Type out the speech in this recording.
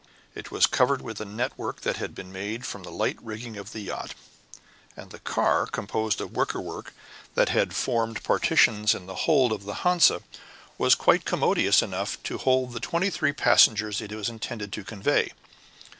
It was covered with a network that had been made from the light rigging of the yacht, and the car, composed of wicker work that had formed partitions in the hold of the Hansa, was quite commodious enough to hold the twenty three passengers it was intended to convey.